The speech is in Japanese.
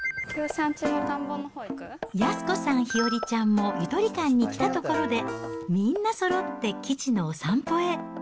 靖子さん、日和ちゃんもゆとり館に来たところで、みんなそろってキチのお散歩へ。